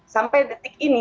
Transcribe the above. sampai detik ini